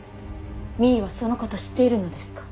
実衣はそのこと知っているのですか。